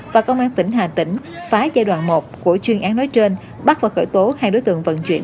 và công an tỉnh hà tĩnh phá giai đoạn một của chuyên án nói trên bắt và khởi tố hai đối tượng vận chuyển